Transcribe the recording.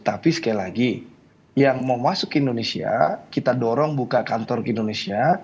tapi sekali lagi yang mau masuk ke indonesia kita dorong buka kantor indonesia